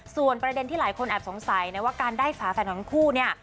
ส่วนประเด็นที่หลายคนแอบสงสัยนะว่าการได้ฝาแฝดของทั้งคู่เนี่ย